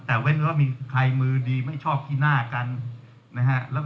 แต่เว้นว่ามีใครมือดีไม่ชอบขี้หน้ากันนะฮะ